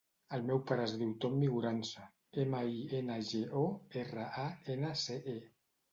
El meu pare es diu Ton Mingorance: ema, i, ena, ge, o, erra, a, ena, ce, e.